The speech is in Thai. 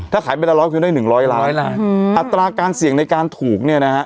ถ้าขายไปละร้อยคุณได้หนึ่งร้อยล้านอัตราการเสี่ยงในการถูกเนี่ยนะฮะ